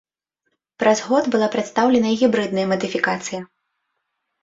Праз год была прадстаўлена і гібрыдная мадыфікацыя.